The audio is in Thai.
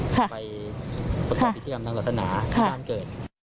เขาก็ไปผสัยพิธีธรรมนางลักษณะให้ด้านเกิด